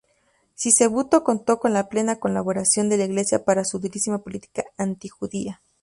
Sisebuto contó con la plena colaboración de la Iglesia para su durísima política antijudía.